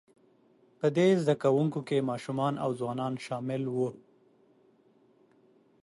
په دې زده کوونکو کې ماشومان او ځوانان شامل وو،